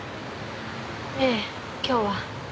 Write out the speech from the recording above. ええ今日は。